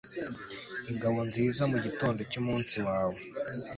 ingabo nziza, mugitondo cyumunsi wawe